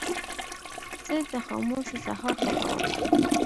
زه د خاموشو سهارو خوښوم.